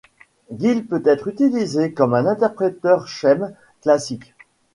Guile peut être utilisé comme un interpréteur Scheme classique.